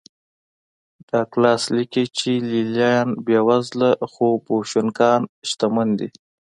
ډاګلاس لیکي چې لې لیان بېوزله خو بوشونګان شتمن دي